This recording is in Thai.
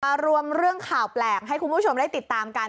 รวมเรื่องข่าวแปลกให้คุณผู้ชมได้ติดตามกัน